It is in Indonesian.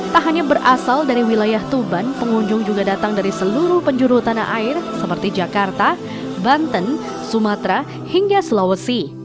tak hanya berasal dari wilayah tuban pengunjung juga datang dari seluruh penjuru tanah air seperti jakarta banten sumatera hingga sulawesi